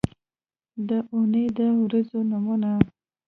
د اونۍ د ورځو نومونه